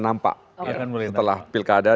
nampak setelah pilkada